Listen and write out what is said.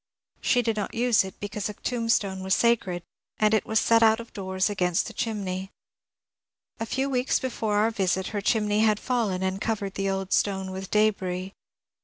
She did not use it becanae a tombstone was sacred, and it was set oat of doors against the chinmey. A few wedcs before oar visit her chinmey had fallen and covered the old stone with d^ris.